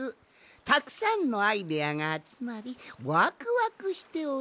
たくさんのアイデアがあつまりワクワクしております！